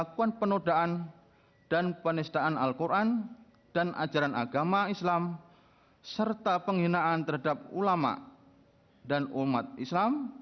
kepulauan seribu kepulauan seribu